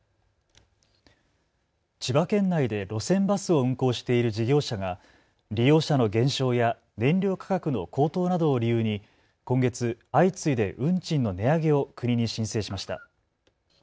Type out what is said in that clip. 千葉県内で路線バスを運行している事業者が利用者の減少や燃料価格の高騰などを理由に今月、相次いで運賃の値上げを国に申請しました。